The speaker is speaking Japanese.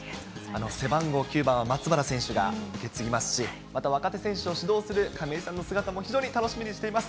背番号９番は、松原選手が受け継ぎますし、また若手選手を指導する亀井さんの姿も非常に楽しみにしています。